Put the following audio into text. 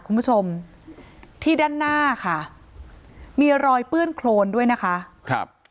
คุณผู้ชมที่ด้านหน้าค่ะมีรอยเปื้อนโครนด้วยนะคะครับ